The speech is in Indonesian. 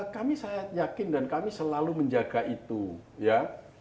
kami saya yakin dan kami selalu menjaga itu ya